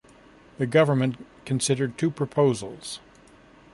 The government considered two proposals.